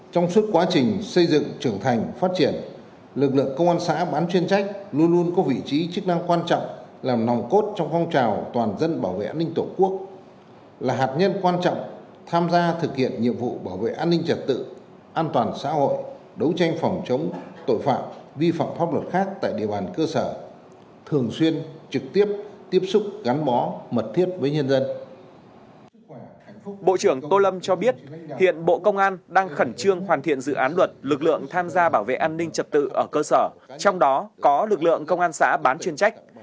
bộ trưởng tô lâm cho biết hiện bộ công an đang khẩn trương hoàn thiện dự án luật lực lượng tham gia bảo vệ an ninh trật tự ở cơ sở trong đó có lực lượng công an xã bán chuyên trách